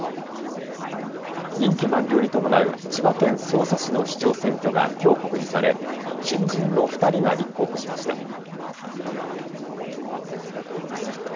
任期満了に伴う千葉県匝瑳市の市長選挙がきょう告示され新人の２人が立候補しました。